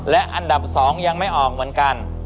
และอันดับ๒ยังไม่ออกเหมือนกัน